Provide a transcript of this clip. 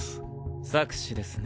策士ですね。